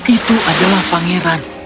itu adalah pangeran